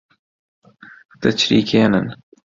دەچریکێنن